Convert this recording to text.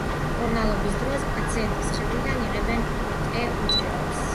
მკურნალობის დროს, პაციენტის სხეულიდან იღებენ ტე უჯრედებს.